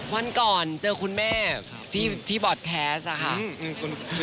วันก่อนเจอคุณแม่ที่บอร์ดแคสต์ค่ะ